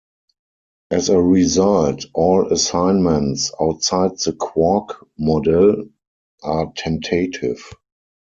As a result, all assignments outside the quark model are tentative.